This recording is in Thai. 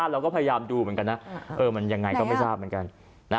เราก็พยายามดูเหมือนกันนะมันยังไงก็ไม่ทราบเหมือนกัน